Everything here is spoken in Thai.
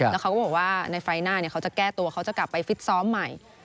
แล้วเขาก็บอกว่าในไฟล์หน้าเขาจะแก้ตัวเขาจะกลับไปฟิตซ้อมใหม่